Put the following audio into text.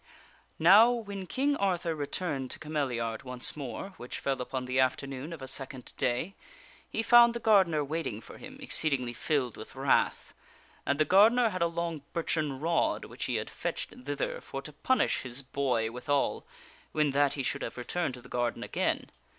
NOW, when King Arthur returned to Cameliard once more (which fell upon the afternoon of a second day), he found the gardener waiting for him, exceedingly filled with wrath. And the gar dener had a long birchen rod which he had fetched thither for to punish his boy withal, when that he should have returned to the garden again.